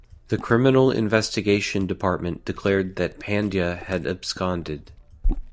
The Criminal Investigation Department declared that Pandya had absconded.